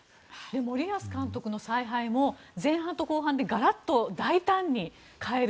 森保監督の采配も前半と後半でがらっと大胆に変える。